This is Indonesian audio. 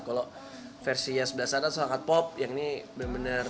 kalau versinya sebelas anat sangat pop yang ini bener bener